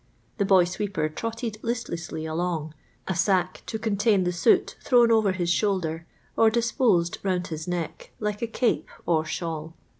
The boy sweeper trotted listlessly along; a sack to contain the soot thrown over his shoulder, or disposed round his neck, like n cape or shawl.